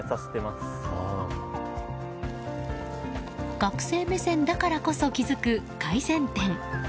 学生目線だからこそ気付く改善点。